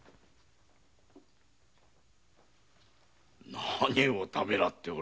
何をためらっておる？